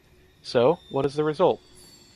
So, what is the result?